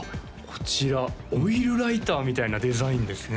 こちらオイルライターみたいなデザインですね